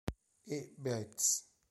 E. Bates.